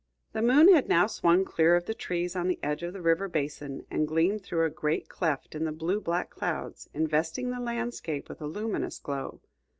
The moon had now swung clear of the trees on the edge of the river basin, and gleamed through a great cleft in the blue black clouds, investing the landscape with a luminous glow.